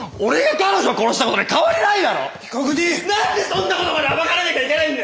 何でそんなことまで暴かれなきゃいけないんだよ！